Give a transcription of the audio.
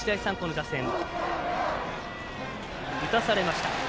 打たされました。